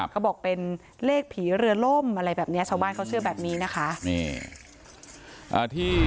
เขาบอกเป็นเลขผีเรือล่มอะไรแบบนี้ชาวบ้านเขาเชื่อแบบนี้นะคะ